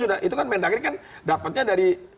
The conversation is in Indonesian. sudah itu kan mendag ini kan dapatnya dari